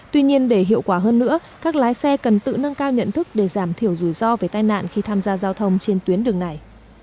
tuy nhiên để hiệu quả hơn nữa các lái xe cần tự nâng cao nhận thức để giảm thiểu rủi ro về tai nạn khi tham gia giao thông trên tuyến đường này